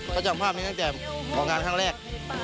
ก็จำภาพนี้ตั้งแต่ออกงานครั้งแรก